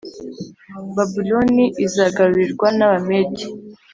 Babuloni izigarurirwa n Abamedi